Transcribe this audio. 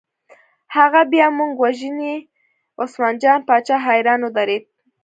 هغه بیا موږ وژني، عثمان جان باچا حیران ودرېد.